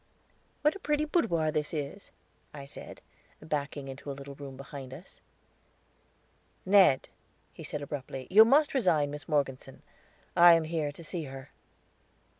"What a pretty boudoir this is," I said, backing into a little room behind us. "Ned," he said abruptly, "you must resign Miss Morgeson; I am here to see her."